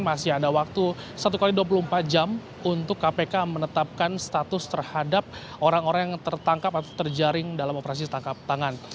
masih ada waktu satu x dua puluh empat jam untuk kpk menetapkan status terhadap orang orang yang tertangkap atau terjaring dalam operasi tangkap tangan